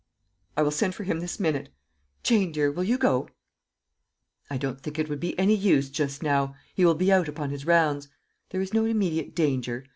"I will send for him this minute. Jane, dear, will you go?" "I don't think it would be any use, just now. He will be out upon his rounds. There is no immediate danger.